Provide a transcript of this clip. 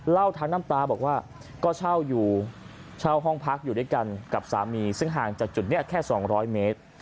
ทั้งน้ำตาบอกว่าก็เช่าอยู่เช่าห้องพักอยู่ด้วยกันกับสามีซึ่งห่างจากจุดนี้แค่๒๐๐เมตร